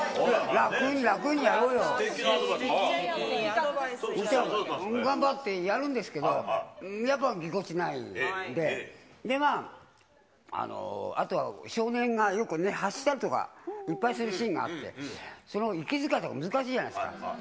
楽に、楽にやろうよって。頑張ってやるんですけど、やっぱぎこちないんで、では、あとは少年がよく走ったりとかするシーンがいっぱいあったりして、その息づかいとか難しいじゃないですか。